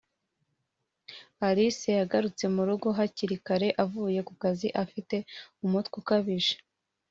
alice yagarutse murugo hakiri kare avuye kukazi afite umutwe ukabije